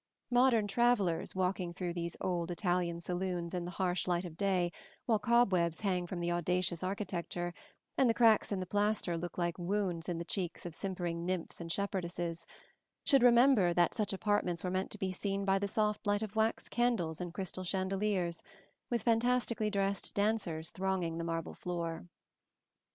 Modern travellers, walking through these old Italian saloons in the harsh light of day, while cobwebs hang from the audacious architecture, and the cracks in the plaster look like wounds in the cheeks of simpering nymphs and shepherdesses, should remember that such apartments were meant to be seen by the soft light of wax candles in crystal chandeliers, with fantastically dressed dancers thronging the marble floor.